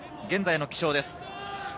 現在の気象です。